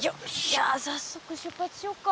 じゃあさっそく出発しようか。